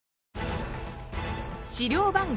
資料番号